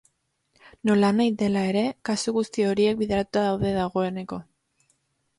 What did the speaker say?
Nolanahi dela ere, kasu guzti horiek bideratuta daude dagoeneko.